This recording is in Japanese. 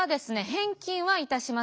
返金はいたしません。